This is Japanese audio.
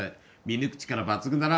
見抜く力抜群だな。